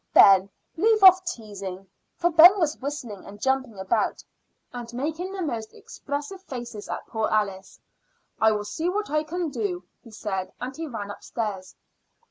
"Ben, leave off teasing." For Ben was whistling and jumping about, and making the most expressive faces at poor Alice, "I will see what I can do," he said, and he ran upstairs.